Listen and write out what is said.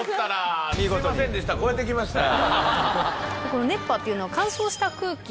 この熱波というのは乾燥した空気。